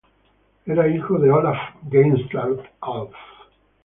Era hijo de Olaf Geirstad-Alf.